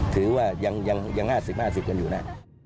ถือว่ายัง๕๐๕๐กันอยู่นะ